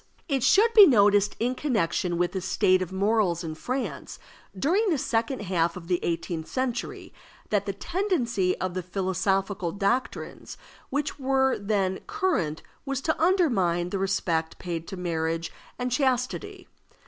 It should be noticed in connection with the state of morals in France during the second half of the eighteenth century, that the tendency of the philosophical doctrines which were then current was to undermine the respect paid to marriage and chastity.